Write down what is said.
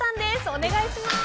お願いします。